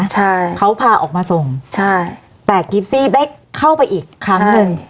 ใช่เขาพาออกมาส่งใช่แต่กิฟซี่ได้เข้าไปอีกครั้งหนึ่ง